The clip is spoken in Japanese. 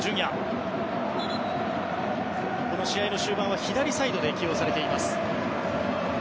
この試合の終盤は左サイドで起用されています。